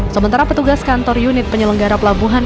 sementara petugas kantor unit penyelenggara pelabuhan